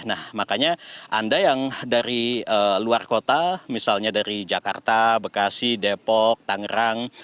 nah makanya anda yang dari luar kota misalnya dari jakarta bekasi depok tangerang